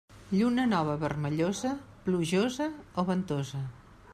Lluna nova vermellosa, plujosa o ventosa.